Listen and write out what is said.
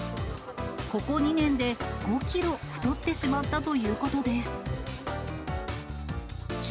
ここ２年で５キロ太ってしまったということです。